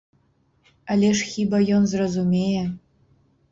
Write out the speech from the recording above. Але ж хіба ён зразумее?